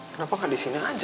kenapa nggak di sini aja